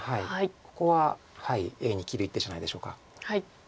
ここはＡに切る一手じゃないでしょうか。